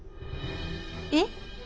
えっ？